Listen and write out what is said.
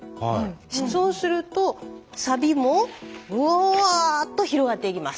そうするとサビもワワワーッと広がっていきます。